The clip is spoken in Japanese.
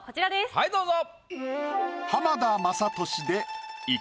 はいどうぞ！